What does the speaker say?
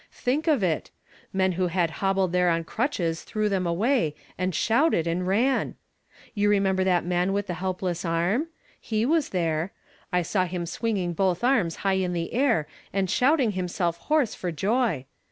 Think of it ! Men who had hobbled there on crutches threw them away, and shouted, and ran 1 You remember that man with the helpless arm? He was there ; I saw him swinging both arms high in air, and shouting himself hoarse for joy.